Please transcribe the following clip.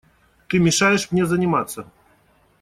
Ты мешаешь мне заниматься.